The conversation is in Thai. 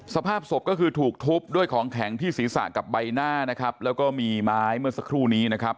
สภาพศพก็คือถูกทุบด้วยของแข็งที่ศีรษะกับใบหน้านะครับแล้วก็มีไม้เมื่อสักครู่นี้นะครับ